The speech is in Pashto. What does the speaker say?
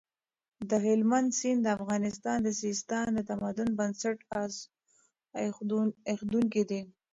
د هلمند سیند د افغانستان د سیستان د تمدن بنسټ اېښودونکی دی.